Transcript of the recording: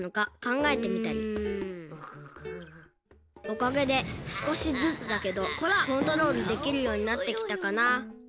おかげですこしずつだけどコントロールできるようになってきたかな。